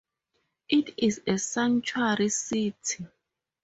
It is a sanctuary city.